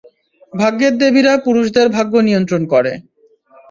ভাগ্যের দেবীরা পুরুষদের ভাগ্য নিয়ন্ত্রণ করে।